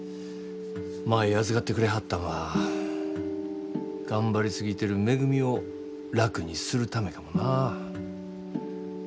舞預かってくれはったんは頑張り過ぎてるめぐみを楽にするためかもな。